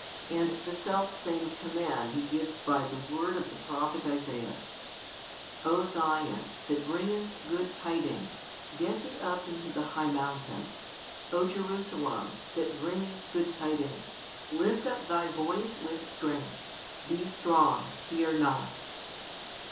And the selfsame command He gives by the word of the prophet Esaias: O Zion, that bringest good tidings, get thee up into the high mountain. O Jerusalem, that bringest good tidings, lift up thy voice with strength; be strong, fear not.